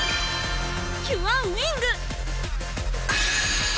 キュアウィング！